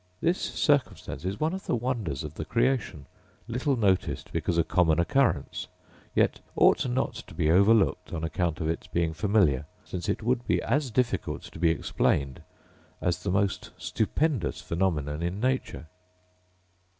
This circumstance is one of the wonders of the creation, little noticed, because a common occurrence: yet ought not to be overlooked on account of its being familiar, since it would be as difficult to be explained as the most stupendous phaenomenon in nature.